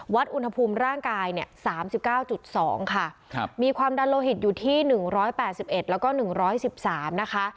อุณหภูมิร่างกายเนี่ย๓๙๒ค่ะมีความดันโลหิตอยู่ที่๑๘๑แล้วก็๑๑๓นะคะ